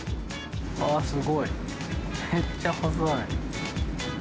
あぁすごいめっちゃ細い。